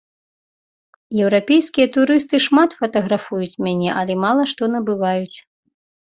Еўрапейскія турысты шмат фатаграфуюць мяне, але мала што набываюць.